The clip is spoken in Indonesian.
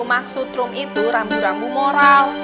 maksud room itu rambu rambu moral